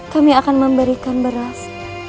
kami akan memberikan beras